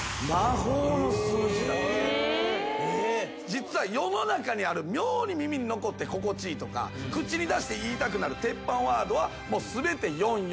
実は世の中にある妙に耳に残って心地いいとか口に出して言いたくなる鉄板ワードは全て４・４・５。